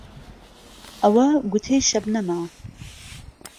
ئەوە گوتەی شەبنەمە